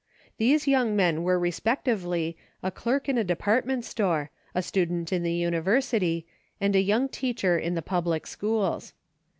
These young men were respectively a clerk in a de partment store, a student in the University, and a young teacher in the public schools.